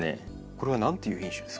これは何ていう品種ですか？